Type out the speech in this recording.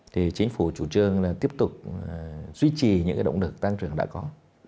thì chính phủ chủ trương là tiếp tục duy trì những cái động lực tăng trưởng đã có